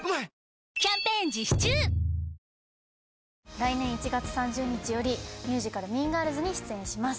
来年１月３０日よりミュージカル『ＭＥＡＮＧＩＲＬＳ』に出演します。